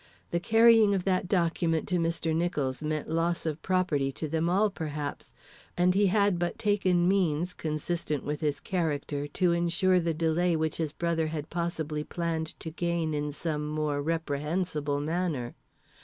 The carrying of that document to Mr. Nicholls meant loss of property to them all perhaps, and he had but taken means, consistent with his character, to insure the delay which his brother had possibly planned to gain in some more reprehensible manner.